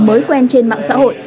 mới quen trên mạng xã hội